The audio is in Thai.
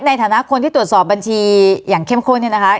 ในฐานะคนที่ตรวจสอบบัญชีอย่างเข้มข้นเนี่ยนะคะ